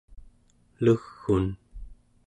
leg'un